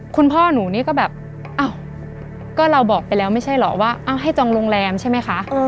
คุณพ่อหนูนี่ก็แบบอ้าวก็เราบอกไปแล้วไม่ใช่เหรอว่าให้จองโรงแรมใช่ไหมคะ